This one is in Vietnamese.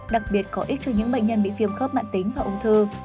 đặc biệt có ích cho những bệnh nhân bị viêm khớp mạng tính và ung thư